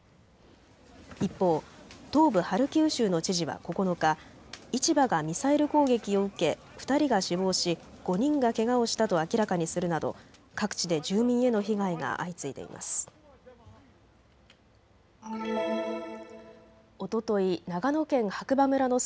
一方、東部ハルキウ州の知事は９日、市場がミサイル攻撃を受け２人が死亡し５人がけがをしたと明らかにするなど各地で住民への被害が相次いでいます。